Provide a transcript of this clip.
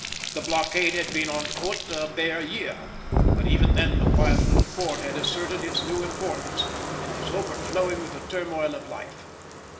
The blockade had been on foot a bare year, but even then the quiet little port had asserted its new importance and was overflowing with the turmoil of life.